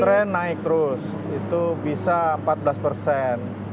tren naik terus itu bisa empat belas persen